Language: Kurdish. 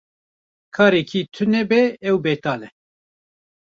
Karê kê tune be ew betal e.